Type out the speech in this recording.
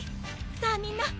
さぁみんな！